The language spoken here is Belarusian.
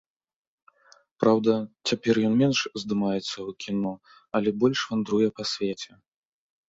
Праўда, цяпер ён менш здымаецца ў кіно, але больш вандруе па свеце.